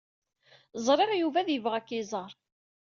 Ẓriɣ Yuba ad yebɣu ad k-iẓer.